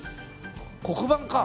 黒板か！